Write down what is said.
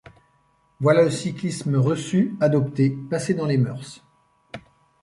Voilà le cyclisme reçu, adopté, passé dans les mœurs.